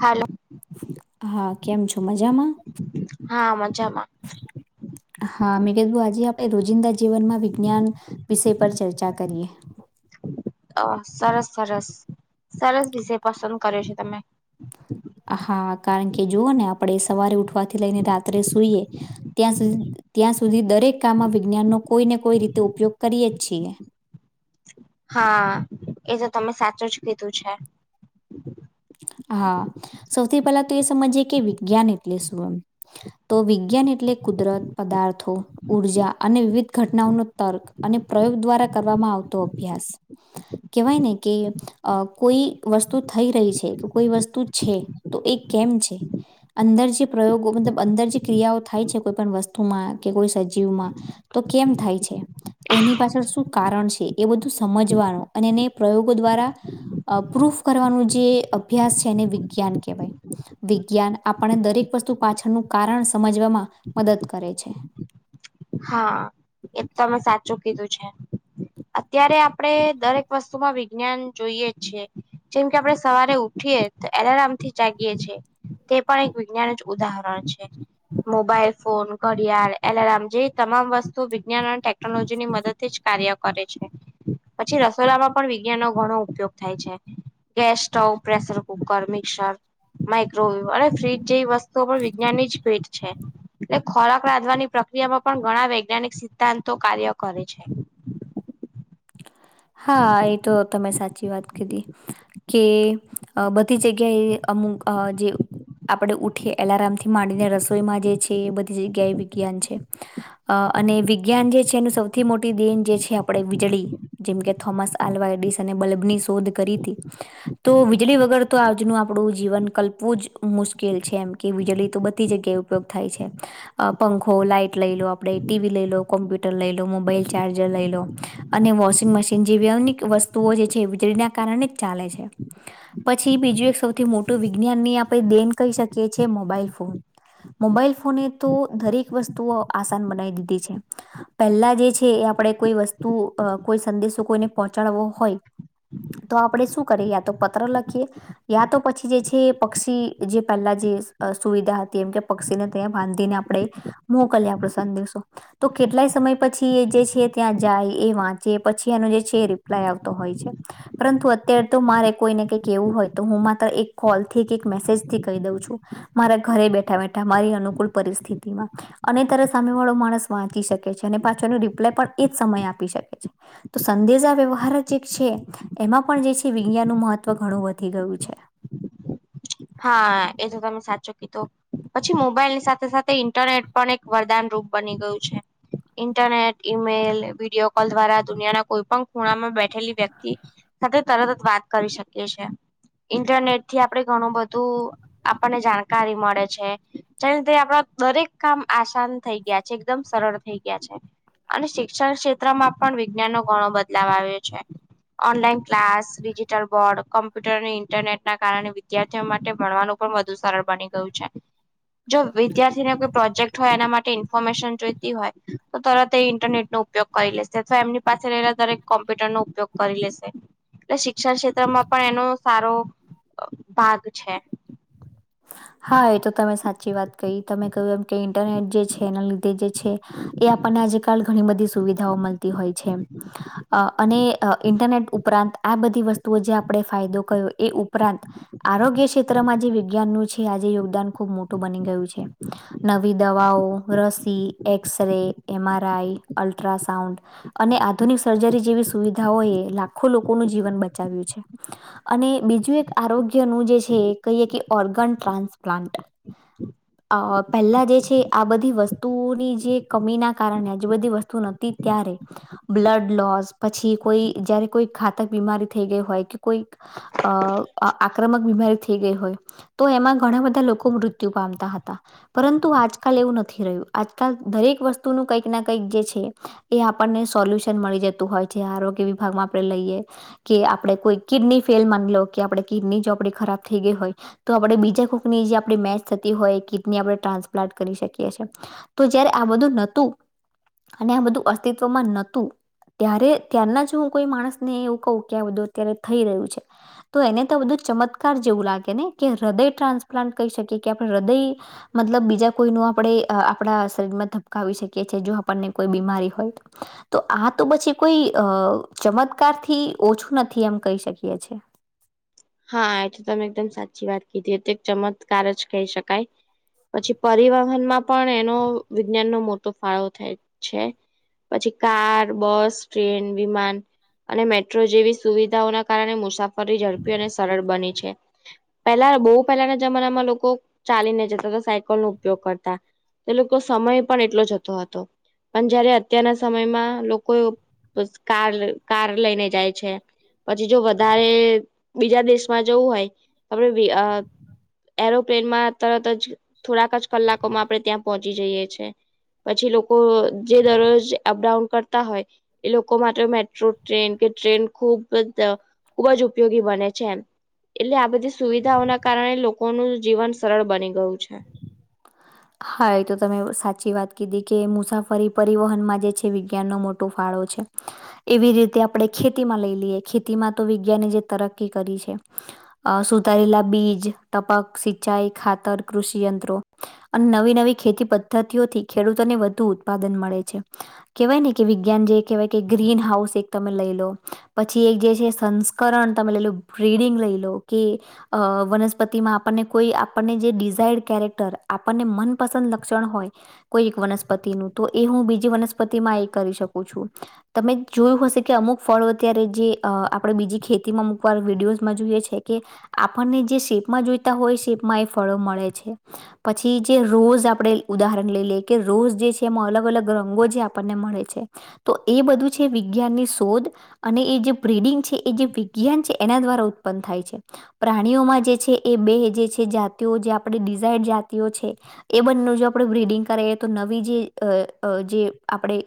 હાલો હા કેમ છો મજામાં હા મજામાં હા [unintelligible] આજે આપણે રોજિંદા જીવનમાં વિજ્ઞાન વિષય પર ચર્ચા કરીએ અ સરસ સરસ સરસ વિષય પસંદ કર્યો છે તમે હા કારણ કે જુઓ ને આપણે સવારે ઉઠવાથી લઈને રાત્રે સુઈએ ત્યાં સુધી ત્યાં સુધી દરેક કામમાં વિજ્ઞાનનો કોઈ ને કોઈ રીતે ઉપયોગ કરીએે જ છીએ હા એ તો તમે સાચું જ કીધું છે હા સૌથી પહેલા તો એ સમજીએ કે વિજ્ઞાન એટલે શું એમ. તો વિજ્ઞાન એટલે કુદરત પદાર્થો. ઉર્જા અને વિવિધ ઘટનાઓનો તર્ક અને પ્રયોગ દ્વારા કરવામાં આવતો અભ્યાસ. કેવાય ને કે કોઈ અ વસ્તુ થઈ રહી છે. કે કોઈ વસ્તુ છે તો એ કેમ છે. અંદર જે પ્રયોગો મતલબ અંદર જે ક્રિયાઓ થાય છે કોઈ પણ વસ્તુમાં કે કોઈ સજીવમાં તો કેમ થાય છે? એની પાછળ શું કારણ છે એ બધું સમજવાનું અને એને પ્રયોગો દ્વારા અ પ્રૂફ કરવાનું જે અભ્યાસ છે એને વિજ્ઞાન કહેવાય. વિજ્ઞાન આપણને દરેક વસ્તુ પાછળનું કારણ સમજવામાં મદદ કરે છે. હા એજ તો તમે સાચું કીધું છે. અત્યારે આપડે દરેક વસ્તુમાં વિજ્ઞાન જોઈએ જ છે. જેમ કે આપણે સવારે ઉઠીએ તો એલારામ થી જાગીએ છીએ. તે પણ એક વિજ્ઞાન જ ઉદાહરણ છે મોબાઈલ ફોન ઘડિયાળ એલારમ જે તમામ વસ્તુ વિજ્ઞાન અને ટેકનોલોજી ની મદદ થી જ કાર્ય કરે છે. પછી રસોડામાં પણ વિજ્ઞાનનો ઘણો ઉપયોગ થાય છે. Gas stove pressure cooker mixer microwave અને ફ્રીજ જેવી વસ્તુઓ પણ વિજ્ઞાનની જ [unintelligible] છે એટલે ખોરાક રાંધવાની પ્રક્રિયામાં પણ ઘણા વૈજ્ઞાનિક સિદ્ધાંતો કાર્ય કરે છે. હા એ તો તમે સાચી વાત કીધી. કે બધી જગ્યાએ અમુક અ જે આપણે ઉઠીયે એલાર્મ થી માંડીને રસોઈમાં જે છે એ બધી જગ્યાએ વિજ્ઞાન છે. અ અને વિજ્ઞાન જે છે એનું સૌથી મોટી દેન જે છે આપણે વીજળી. જેમકે થોમસ આલ્વા એડિસને બલ્બની શોધ કરી તી. તો વીજળી વગર તો આજનું આપણું જીવન કલ્પવું જ મુશ્કેલ છે એમ કે વીજળી તો બધી જગ્યાએ ઉપયોગ થાય છે. અ પંખો લાાઈટ લઈ લો આપડે ટીવી લઈ લો કોમ્પ્યુટર લઈ લો મોબાઈલ ચાર્જર લઈ લો અને વોશિંગ મશીન જેવી અનેક વસ્તુઓ જે છે વીજળીના કારણે જ ચાલે છે. પછી બીજુ એક સૌથી મોટું વિજ્ઞાનની આપણે દેન કહી શકી છીએ મોબાઈલ ફોન મોબાઈલ ફોને તો દરેક વસ્તુઓ આસાન બનાવી દીધી છે. પહેલા જે છે એ આપણે કોઈ વસ્તુ કોઈ સંદેશો કોઈને પહોંચાડવો હોય તો આપણે શું કરીએ યા તો પત્ર લખીએ યા તો પછી જે છે પક્ષી જે પહેલા જે સુવિધા હતી એમ કે પક્ષીને ત્યાં બાંધીને આપણે મોકલીય આપડો સંદેશો દિવસો તો કેટલાય સમય પછી એ જે છે ત્યાં જાય એ વાંચ ચે પછી એનો જે છે રિપાલ્યં આવતો હોય છે. પરંતુ અત્યારે તો મારે કોઈને કઈક એવું હોય તો હું માત્ર એક કોલ થી કે મેસેજ થી કહી દઉં છું. મારા ઘરે બેઠા બેઠા મારી અનુકૂળ પરિસ્થિતિમાં અને ત્યારે સામે વાળો માણસ વાંચી શકે છે અને પાછો એનો રિપ્લાય પણ એજ સમય આપી શકે છે. તો સંદેશા વ્યવહાર જ એક છે. એમાં પણ જે છે વિજ્ઞાન નું મહત્વ ઘણું વધી ગયું છે. હા એ તો તમે સાચો કીધો. પછી મોબાઈલ ની સાથે સાથે ઇન્ટરનેટ પણ એક વરદાન રૂપ બની ગયું છે. ઇન્ટરનેટ ઈમેલ વિડીયો કોલ દ્વારા દુનિયાના કોઈ પણ ખૂણા માં બેઠેલી વ્યક્તિ [unintelligible] સતત તરત વાત કરી શકીએ છીએ ઇન્ટરનેટ થી આપણે ઘણું બધું આપણને જાણકારી મળે છે [unintelligible] જેનીધ આપણા દરેક કામ આસાન થઈ ગયા છે એકદમ સરળ થઈ ગયા છે અને શિક્ષણ ક્ષેત્રમાં પણ વિજ્ઞાનનો ઘણો બદલાવ આવે છે. Online class digital board computer અને ઇન્ટરનેટ ના કારણે [unintelligible] તે માટે ભણવાનું પણ વધુ સરળ બની ગયું છે. જો વિદ્યાર્થીને કોઈ પ્રોજેક્ટ હોય એના માટે ઇન્ફોર્મેશન જોઈતી હોય તો તરત એ ઇન્ટરનેટ નો ઉપયોગ કરી લેશે અથવા એમની પાસે રહેલા દરેક કોમ્પ્યુટર નો ઉપયોગ કરી લેશે. [unintelligible] એટલે શિક્ષણ ક્ષેત્રમાં પણ એનો સારો અ ભાગ છે. હા એ તો તમે સાચી વાત કહી તમે કહ્યું એમ કે ઇન્ટરનેટ જે છે એના લીધે [unintelligible] જે છે એ આપણને આજ કાલ ઘણી બધી સુવિધાઓ મળતી હોય છે. અ અને ઇન્ટરનેટ ઉપરાંત આ બધી વસ્તુઓ જે આપણે ફાયદો કરયો એ ઉપરાંત આરોગ્ય ક્ષેત્રમાં જે વિજ્ઞાનનું છે આજે યોગદાન ખુબ મોટું બની ગયું છે. નવી દવાઓ રસી એક્સ રે એમ આરઆઈ અલ્ટ્રાસાઉન્ડ અને આધુનિક સર્જરી જેવી સુવિધાઓ એ લાખો લોકોનું જીવન બચાવ્યું છે. અને બીજું એક આરોગ્ય નું જે છે કહીએ કે ઓર્ગન ટ્રાન્સપ્લાન્ટ. અ પહેલા જે છે આ બધી વસ્તુઓની જે કમીના કારણે આજ બધી વસ્તુ નતી ત્યારે. લોસ કોઈ જયારે કોઈ ઘાતક બીમારી થઈ ગઈ હોય કે કોઈ- - અ આક્રમક બીમારી થઈ ગઈ હોય. તો એમાં ઘણા બધા મૃત્યુ પામતા- - પરંતુ આજકાલ એવું નથી રહ્યું આજકાલ દરેક વસ્તુનું કંઈક ના કંઈક જે છે. એ આપણને સોલ્યુશન મળી જતું હોય છે આરોગ્ય વિભાગમાં આપણે લઈએ- - કે આપડણે કોઈ કિડની ફેલ માન લો કે આપડે કિડની જો આપડી ખરાબ થઈ ગઈ હોય. તો આપણેે બીજા કોકની જે આપ મેચ થતી હોય એ કીટની આપણે ટ્રાન્સપ્લેટ કરી શકીએ છીએ. તો જયારે આ બધું નતું અને આ બધું અસ્તિત્વમાં નતું- - ત્યારે ત્યારના જ હું કોઈ માણસ ને એવું કહું કધું અત્યારે થઈ રહ્યું છે. તો એને તો બધું ચમત્કાર જેવું લાગે ને કે હૃદય ટ્રાન્સપ્લાન્ટ કહી શકીએ કે આપણે હૃદય- - મતલબ બીજા કોઈ ન આપણે આપણા માં ધબકાવી શકીએ છીએ જો આપણને બીમારી હોય. તો આ તો પછી કોઈ અ ચમત્કારથી ઓછું નથી એમ કહી શકીએ છે. હા એ તો તમે એકદમ સાચી વાત કીધી તો એક ચમત્કાર જ કહી શકાય. પછી પરિવહનમાં પણ એનો વિજ્ઞાનનો મોટો ફાળો થાય છે. પછી કાર બસ ટ્રેન વિમાન- - અને મેટ્રો જેવી સુવિધાઓના કારણે મુસાફરી ઝડપી અને સરળ બની છે. પહેલા બહુ પહેલાના જમાનામાં લોકો ચાલીને જતા સાયકલ નો ઉપયોગ કરતા- - તે લોકો સમય પણ એટલો જતો હતો. પણ જયારે અત્યારના સમયમાં લોકો કાર કાર લઈને જાય છે. પછી જો વધારે- - બીજા દેશમાં જવું હોય આપડ એરોપ્લેનમાં તરત જ- - થોડાક જ કલાકોમાં આપડણે ત્યાં પહોંચી જઈએ છીએ. પછી લોકો જે દરરોજ અપડાઉન કરતા હોય. એ લોકો માટે મેટ્રો ટ્રેન કે ટ્રેન ખૂબ જ ખુબ જ ઉપયોગી- - બને છે. એટલે આ બધી સુવિધાઓ ના કારણે લોકોનું જીવન સરળ બની ગયું છે. હા એ તો તમે સાચી વાત કીધી કે મુસાફરી પરિવહનમાં જે છે વિજ્ઞાનનો મોટ- - ફાળો છે. એવી રીતે આપણે ખેતીમાં લઈ લઈએ ખેતીમાં તો વિજ્ઞાને જે તરકી કરી છે. અ સુધારેલા બીજ ટપક સિંચાઈ ખાતર કૃષિયંત્રો- - અને નવી નવી ખેતી પદ્ધતિઓથી ખેડૂતોને વધુ ઉત્પાદન મળે છે. કેહેવાય ને કે વિજ્ઞાન જે કહેવાય કે ગ્રીન હાઉસ એક તમે લઈ લો પછી એક જે છે સં- - કરણ તમે લેઈ લું બ્રિરીડિંગ લઈ લો કે- - અ વનસ્પતિ માં આપણને કોઈ આપણને જે ડિઝાયર્ડ કેરેક્ટર- - આપણને મનપસંદ લક્ષણ હોય. કોઈ એક વનસ્પતિ નું તો એ હું બીજી વનસ્પતિ એ શકું છું. તમે જોયું હશે કે અમુક ફળો અત્યારે જે આપણે બીજી ખેતીમાં અમુૂકવાર વિડીયોઝમાં જોઈએ છે કે- - આપણને જે શેપમાં જોઈતા હોય શેપમાં એ ફળો મળે છે. પછી જે રોઝ આપણે ઉદાહરણ લઈ લઈએ કે રોજ જે છે એમાં અલગ અલગ રંગો જે આપણને મળે છે. તો બધું છે વિજ્ઞાનની શોધ- - એ જે બ્રિડિંગ છે એ જે વિજ્ઞાન છે એના દ્વારા ઉત્પન્ન થાય છે. પ્રાણીઓમાં જે છે એ બે જે છે જાતિઓ જે આપણે ડિઝાયડ જાતિઓ છે. એ બંનું જો આપણે બ્રિડિંગ કરએ તો નવી જે જે આપણે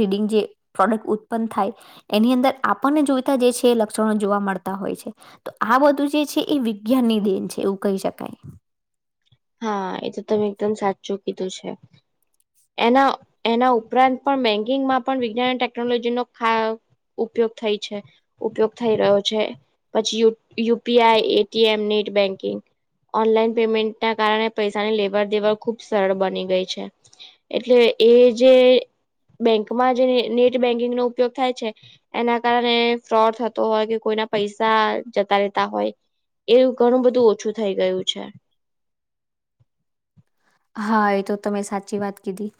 બિડિંગ જે- - પ્રોડક્ટ ઉત્પન્ન થાય એની અંદર આપણને જોઈતા જે છે લક્ષણો જોવા મળતા હોય છે. તો આ બધું જે છે એ વિજ્ઞાન ની દેન છે એવું કહી શકાય. હા એ તો તમે એકદમ સાચું કીધું છે. એનો એના ઉપરાંત પણ બેન્કિંગમાં પણ વિજ્ઞાન ટેકનોલોજી ન ફાળો. ઉપયોગ થાય છે ઉપયોગ થઈ રહ્યો છે. પછી UPI, ATM, net banking, online payment. તેના કારણે પૈસાની લેવડ દેવડ ખુબ સરળ બની ગઈ છે. એટલે એ જે બેંકમાં જે નેટ બેંકિંગ નો ઉપયોગ થાય છે. એના કારણે ફ્રોડ થતો હોય કે કોઈના પૈસા જતા રહેેતા હોય. એવું ઘણું બધું ઓછું થઇ ગયું છે. હા એ તો તમે સાચી વાત કીધી.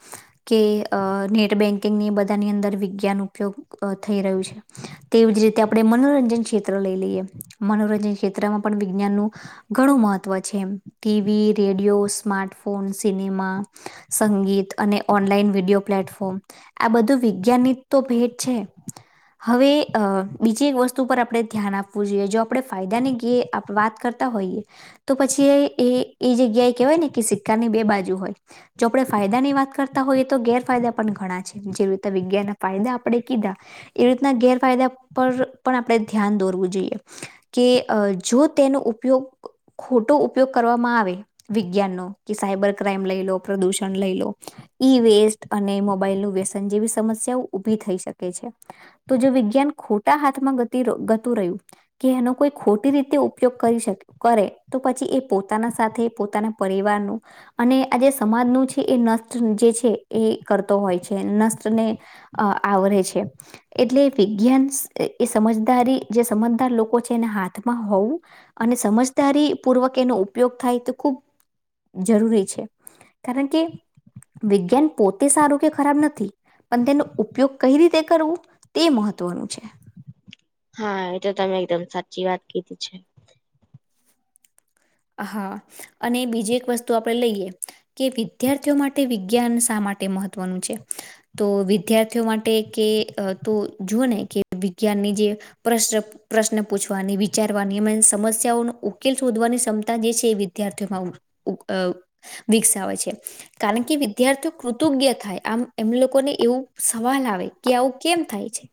કે અ નેટ બેન્કિંગની બધાની અંદર વિજ્ઞાન ઉપયોગ થઈ રહ્યું છે. તેવી જ રીતે આપણે મનોરંજન ક્ષેત્ર લઈ લઈએ મનોરંજન ક્ષેત્રમાં પણ વિજ્ઞાનનું. ઘણું મહત્વ છે એ TV, radio, smartphone. Phone cinema સંગીત અને ઓનલાઈન વિડીિયો પ્લેટફોર્મ. આ બધું વિજ્ઞાાન ની ભેટ છે. હવે બીજી એક વસ્તુ પર આપણે ધ્યાન આપવું જોઈએ જો આપણે ફાયદા ની કે વાત કરતા. હોઈએ તો પછી એ જગ્યાએ કેહેવાય ને કે સિક્કાની બે બાજુ હોય. જો આપણે ફાયદા ની વાત કરતા હોઈએ તો ગેરફાયદા પણ ઘણા છે જેવી રીતે વિજ્ઞાનના ફાયદા આપણે કીધા. એવી રીતના ગેરફાયદા પર પણ આપણે ધ્યાન દોરવું જોઈએ. કે જો તેનો ઉપયોગ ખોટો ઉપયોગ કરવામાં આવે વિજ્ઞાનનો. કે સાયબર ક્રાાઈમ લઈ લો પ્રદૂષણ લઈ લો. ઈ વેસ્ટ અને મોબાઇલ વ્યસન જેવી સમસ્યાઓ ઉભી થઈ શકે છે. તો જો વિજ્ઞાન ખોટા હાથમાં ગતી ગતું રહ્યું. કે એનો કોઈ ખોટી રીતે ઉપયોગ કરી શકે. કરે તો પછી એ પોતાના સાથે પોતાના પરિવારનું. અને આજે સમાજનું છે એ નષ્ટ જે છે એ કરતો હોય છે નષ્ટને. અ આવરે છે. એટલે વિજ્ઞાન એ સમજદારી જે સમજદાર લોકો છે એના હાથમાં હોવું. અને સમજદારી પૂર્વક એનો ઉપયોગ થાય તો ખૂબ જરૂરી છે કારણ કે વિજ્ઞાન પોતે સારું કે ખરાબ નથી. પણ તેનો ઉપયોગ કઈ રીતે કરવું તે મહત્વનું છે. હા એ તો તમે એકદમ સાચી વાત કીધી છે. હા અને બીજી એક વસ્તુ આપણેે લઈએ. કે વિદ્યાર્થીઓ માટે વિજ્ઞાન શા માટે મહત્વનું છે? તો વિદ્યાર્થીઓ માટે કે તો જુઓ ને કે વિજ્ઞાનની જે પ્રશ્ન પ્રશ્ન પૂછવાની એ વિચારવાની સમસ્યાઓનો ઉકેલ શોધવાની સ મતા જે છે એ વિદ્યાર્થીઓમાં વિકસાવે છે. કારણ કે વિદ્યાર્થીઓ કૃતજ્ઞ થાય આમ એમ લોકોને એવું સવાલ આવે કે આવું કેમ થાય છે?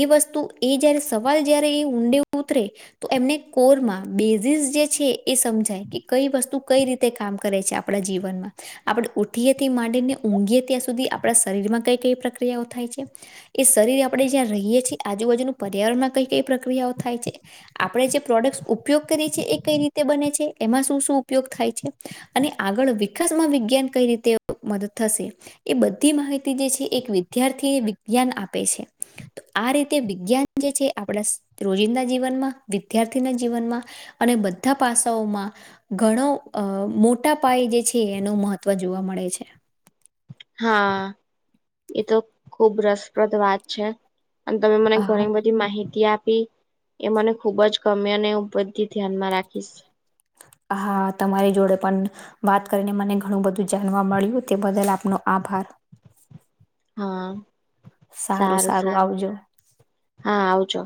એ વસ્તુ એ જયારે સવાલ જયારે એ ઊંડે ઉતરે. તો એમને કોરમાં બેઝિસ જે છે. એ સમજાય કે કઈ વસ્તુ કઈ રીતે કામ કરે છે આપણા જીવનમાં આપણે ઉઠીએ તે માંડીને ઊંઘીએ ત્યાં સુધી આપણા શરીર માં કઈ કઈ પ્રક્રિયાઓ થાય છે. એ શરીર આપણે જ્યાં આજુબાજુનું પર્યાવરણમાં કઈ કઈ પ્રક્રિયાઓ થાય છે. આપણે જે પ્રોડક્ટ ઉપયોગ કરીએ છી એ કઈ રીતે બને છે એમાં શું શું ઉપયોગ થાય છે? અને આગળ વિકાસમાં વિજ્ઞાન કઈ રીતે મદદ થશે? એ બધી માહિતી જે છે એક વિદ્યાર્થીને વિજ્ઞાન આપે છે. આ રીતે વિજ્ઞાન જે છે આપણા રોજિંદા જીવનમાં વિદ્યાર્થીના જીવનમાં અને બધ ધા પાસાઓમાં ઘણો અ મોટા પાયે જે છે એનું મહત્ત્વ જોવા મળે છે. હા એતો ખુબ રસપ્રદ વાત છે. અને તમે મને હા, ઘણી બધી માહિતી આપી એ મને ખુબ જ ગમે અને હુ બધી ધ્યાનમાં રાખીશ. હા તમારી જોડે પણ વાત કરીને મને ઘણું બધું જાણવા મળ્યું તે બદલ આપનો આભાર હા સારું સારું આવજો. હા આવજો.